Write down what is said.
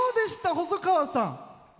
細川さん。